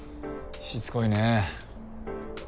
しつこいね。